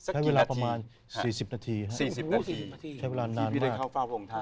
ใช้เวลาประมาณ๔๐นาทีใช้เวลานานมาก